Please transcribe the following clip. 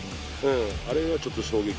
あれがちょっと衝撃。